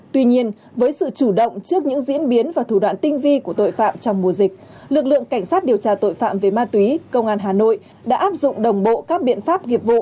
tuy nhiên với sự chủ động trước những diễn biến và thủ đoạn tinh vi của tội phạm trong mùa dịch